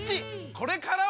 これからは！